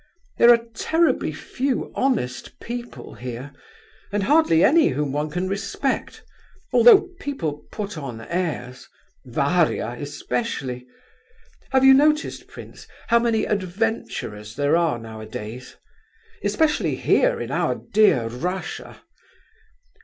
There are terribly few honest people here, and hardly any whom one can respect, although people put on airs—Varia especially! Have you noticed, prince, how many adventurers there are nowadays? Especially here, in our dear Russia.